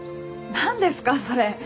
何ですかそれ。